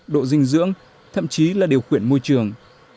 độ dinh dưỡng thậm chí là điều khiển môi trường